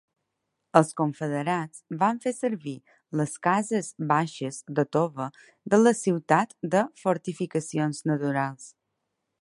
Els confederats van fer servir les cases baixes de tova de la ciutat de fortificacions naturals.